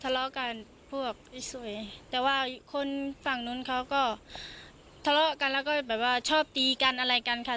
ทะเลาะกันพวกไอ้สวยแต่ว่าคนฝั่งนู้นเขาก็ทะเลาะกันแล้วก็แบบว่าชอบตีกันอะไรกันค่ะ